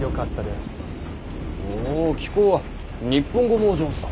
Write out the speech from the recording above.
おぉ貴公は日本語もお上手だ。